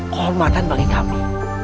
kolmatan bagi kami